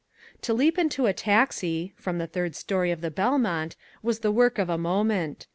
To leap into a taxi (from the third story of the Belmont) was the work of a moment.